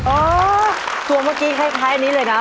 โอ้โฮตัวเมื่อกี้คล้ายนี้เลยนะ